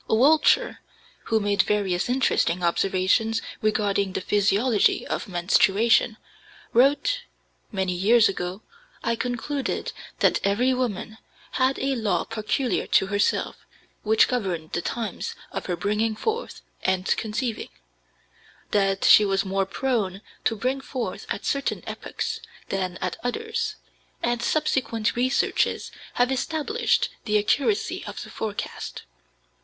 Wiltshire, who made various interesting observations regarding the physiology of menstruation, wrote: "Many years ago, I concluded that every women had a law peculiar to herself, which governed the times of her bringing forth (and conceiving); that she was more prone to bring forth at certain epochs than at others; and subsequent researches have established the accuracy of the forecast."